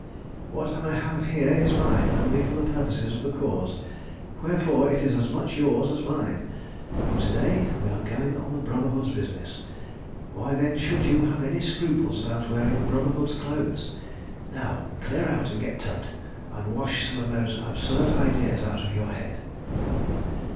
"What I have here is mine only for the purposes of the Cause, wherefore it is as much yours as mine, for to day we are going on the Brotherhood's business. Why, then, should you have any scruples about wearing the Brotherhood's clothes? Now clear out and get tubbed, and wash some of those absurd ideas out of your head."